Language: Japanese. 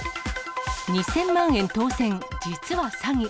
２０００万円当せん、実は詐欺。